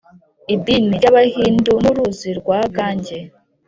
idini ry’abahindu n’uruzi rwa gange